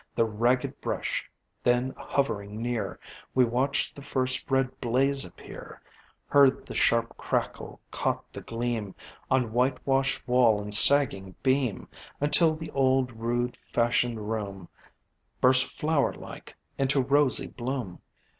The ragged brush; then, hovering near, We watched the first red blaze appear, Heard the sharp crackle, caught the gleam On whitewashed wall and sagging beam, Until the old, rude fashioned room Burst, flower like, into rosy bloom."